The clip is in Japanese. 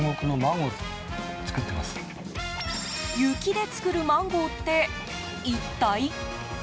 雪で作るマンゴーって一体？